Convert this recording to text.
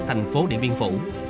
thành phố điện biên phủ